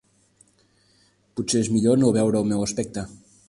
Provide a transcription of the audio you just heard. Potser és millor no veure el meu aspecte.